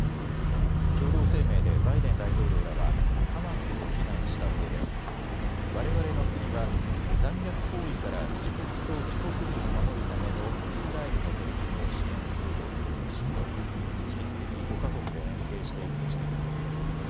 共同声明でバイデン大統領らはハマスを非難したうえでわれわれの国は残虐行為から自国と自国民を守るためのイスラエルの取り組みを支援すると強調し引き続き５か国で連携していくとしています。